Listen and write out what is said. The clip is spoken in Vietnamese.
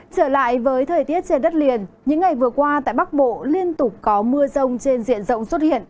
trở lại với thời tiết trên đất liền những ngày vừa qua tại bắc bộ liên tục có mưa rông trên diện rộng xuất hiện